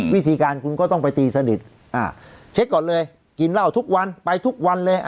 วิธีการคุณก็ต้องไปตีสนิทเช็คก่อนเลยกินเหล้าทุกวันไปทุกวันเลย